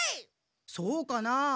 そうかなあ。